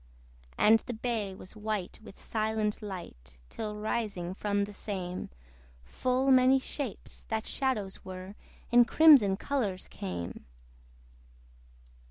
And the bay was white with silent light, Till rising from the same, Full many shapes, that shadows were, In crimson colours came.